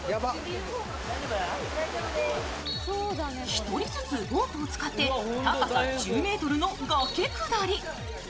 １人ずつロープを使って高さ１０ｍの崖下り。